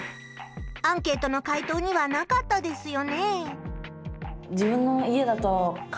アンケートの回答にはなかったですよねえ。